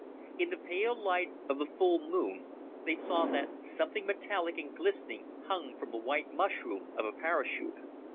In the pale light of the full Moon they saw that something metallic and glistening hung from the white mushroom of a parachute.